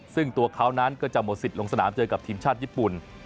ซึ่งตัวเขานั้นก็จะหมดสิทธิ์ลงสนามเจอกับทีมชาติญี่ปุ่น